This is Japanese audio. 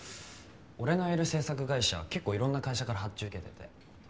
俺のいる制作会社結構いろんな会社から発注受けてて。